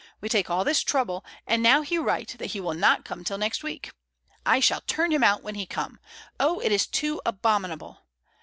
We take all this trouble, and now he write that be will not come till next week. I shall turn him out when he come. Oh, it is too abominable.